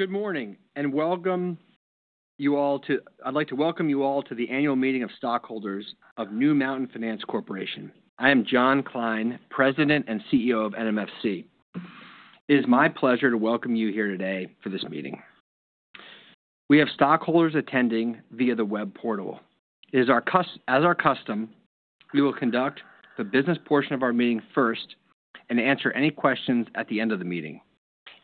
Good morning and I'd like to welcome you all to the annual meeting of stockholders of New Mountain Finance Corporation. I am John Kline, President and CEO of NMFC. It is my pleasure to welcome you here today for this meeting. We have stockholders attending via the web portal. As our custom, we will conduct the business portion of our meeting first and answer any questions at the end of the meeting.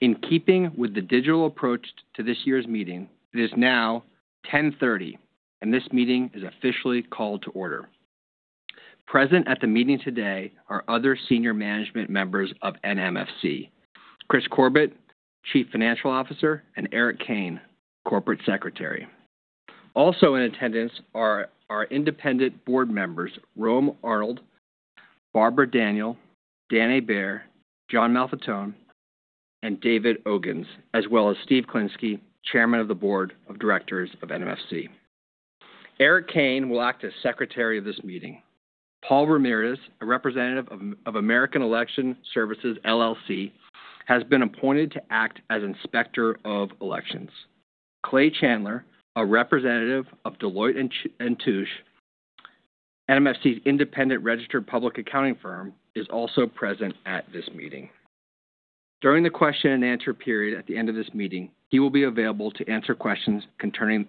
In keeping with the digital approach to this year's meeting, it is now 10:30 A.M., and this meeting is officially called to order. Present at the meeting today are other senior management members of NMFC. Kris Corbett, Chief Financial Officer, and Eric Kane, Corporate Secretary. Also in attendance are our independent board members, Rome Arnold III, Barbara Daniel, Daniel B. Hébert, John P. Malfettone, and David Ogens, as well as Steven Klinsky, Chairman of the Board of Directors of NMFC. Eric Kane will act as Secretary of this meeting. Paul Ramirez, a representative of American Election Services, LLC, has been appointed to act as Inspector of elections. Clay Chandler, a representative of Deloitte & Touche LLP, NMFC's independent registered public accounting firm, is also present at this meeting. During the question and answer period at the end of this meeting, he will be available to answer questions concerning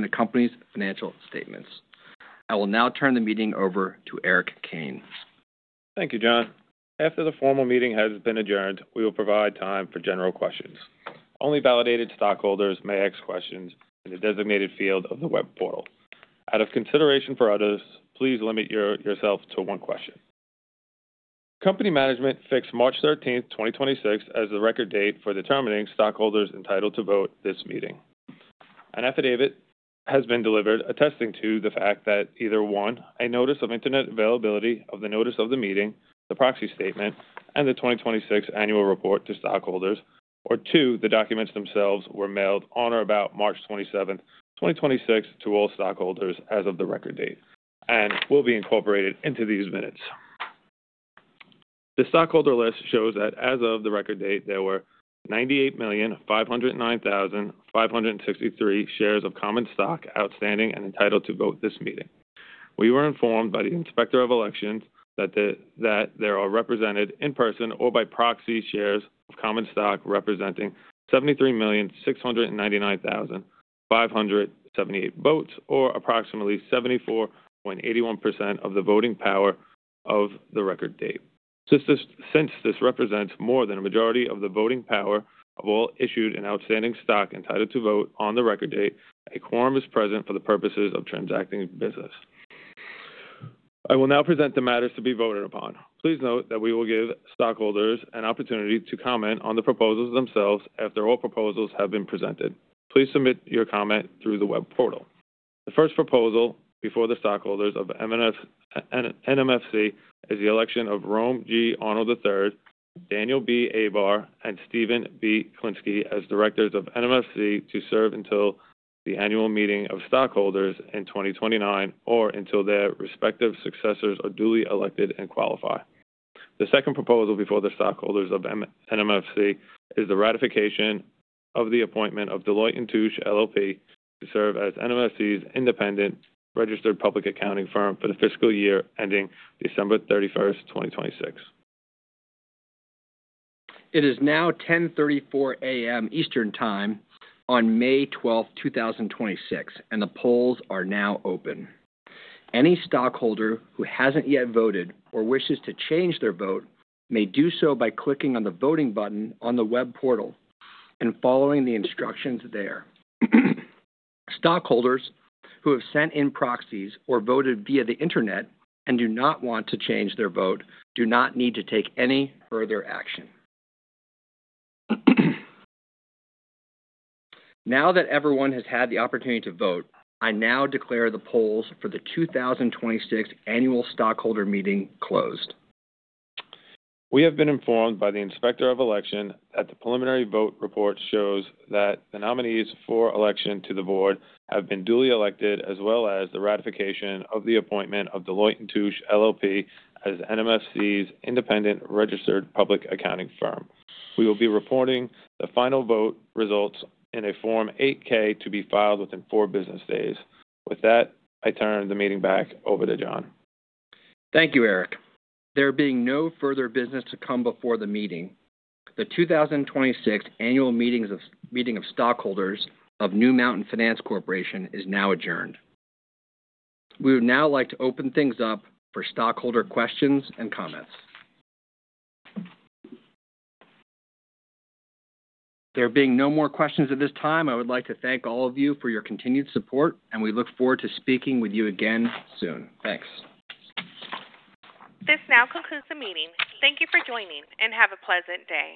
the company's financial statements. I will now turn the meeting over to Eric Kane. Thank you, John. After the formal meeting has been adjourned, we will provide time for general questions. Only validated stockholders may ask questions in the designated field of the web portal. Out of consideration for others, please limit yourself to one question. Company management fixed March 13th 2026 as the record date for determining stockholders entitled to vote this meeting. An affidavit has been delivered attesting to the fact that either, one, a notice of internet availability of the notice of the meeting, the proxy statement, and the 2026 annual report to stockholders, or two, the documents themselves were mailed on or about March 27th, 2026 to all stockholders as of the record date and will be incorporated into these minutes. The stockholder list shows that as of the record date, there were 98,509,563 shares of common stock outstanding and entitled to vote this meeting. We were informed by the Inspector of Election that there are represented in person or by proxy shares of common stock representing 73,699,578 votes, or approximately 74.81% of the voting power of the record date. Since this represents more than a majority of the voting power of all issued and outstanding stock entitled to vote on the record date, a quorum is present for the purposes of transacting business. I will now present the matters to be voted upon. Please note that we will give stockholders an opportunity to comment on the proposals themselves after all proposals have been presented. Please submit your comment through the web portal. The first proposal before the stockholders of NMFC is the election of Rome Arnold III, Daniel B. Hébert and Steven B. Klinsky as directors of NMFC to serve until the annual meeting of stockholders in 2029 or until their respective successors are duly elected and qualify. The second proposal before the stockholders of NMFC is the ratification of the appointment of Deloitte & Touche LLP to serve as NMFC's independent registered public accounting firm for the fiscal year ending December 31st, 2026. It is now 10:34 A.M. Eastern Time on May 12th, 2026, and the polls are now open. Any stockholder who hasn't yet voted or wishes to change their vote may do so by clicking on the voting button on the web portal and following the instructions there. Stockholders who have sent in proxies or voted via the Internet and do not want to change their vote do not need to take any further action. Now that everyone has had the opportunity to vote, I now declare the polls for the 2026 annual stockholder meeting closed. We have been informed by the Inspector of Election that the preliminary vote report shows that the nominees for election to the board have been duly elected, as well as the ratification of the appointment of Deloitte & Touche LLP as NMFC's independent registered public accounting firm. We will be reporting the final vote results in a Form 8-K to be filed within four business days. With that, I turn the meeting back over to John. Thank you, Eric. There being no further business to come before the meeting, the 2026 annual meeting of stockholders of New Mountain Finance Corporation is now adjourned. We would now like to open things up for stockholder questions and comments. There being no more questions at this time, I would like to thank all of you for your continued support, and we look forward to speaking with you again soon. Thanks. This now concludes the meeting. Thank you for joining, and have a pleasant day.